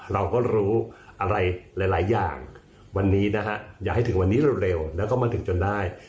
เราก็รู้อะไรหลายอย่างวันนี้นะฮะอย่าให้ถึงวันนี้เร็วแล้วก็มาถึงจนได้